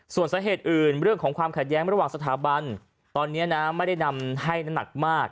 ส่วนสาเหตุอื่นเรื่องของความขัดแย้งระหว่างสถาบันตอนนี้นะไม่ได้นำให้น้ำหนักมาก